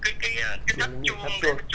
cái xã ninh lộc